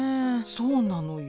そうなのよ。